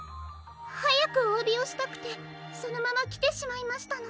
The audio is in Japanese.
はやくおわびをしたくてそのままきてしまいましたの。